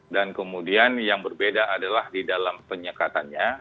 dan kemudian yang berbeda adalah di dalam penyekatannya